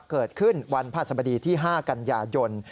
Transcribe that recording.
เกิดขึ้นวันพระสมดีที่๕กันยายน